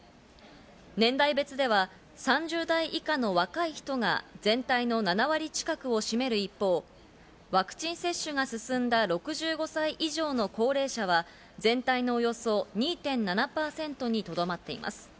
年代別では３０代以下の若い人が全体の７割近くを占める一方、ワクチン接種が進んだ６５歳以上の高齢者は、全体のおよそ２．７％にとどまっています。